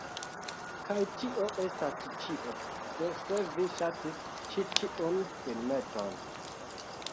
Kaj tio estas ĉio do se vi ŝatis ĉi tiun filmeton